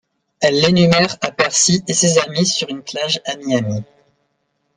Elle l'énumère à Percy et ses amis sur une plage à Miami.